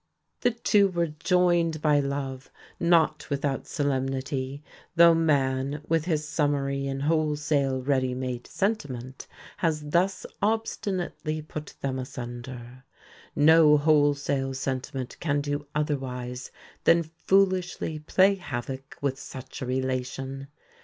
The two were joined by love, not without solemnity, though man, with his summary and wholesale ready made sentiment, has thus obstinately put them asunder. No wholesale sentiment can do otherwise than foolishly play havoc with such a relation.